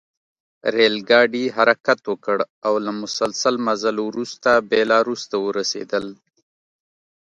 ریل ګاډي حرکت وکړ او له مسلسل مزل وروسته بیلاروس ته ورسېدل